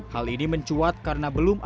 hal ini mencuat karena belum ada